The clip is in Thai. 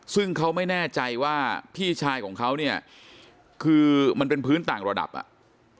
ซึ่งเขาไม่แน่ใจว่าพี่ชายของเขาเนี่ยคือมันเป็นพื้นต่างระดับอ่ะ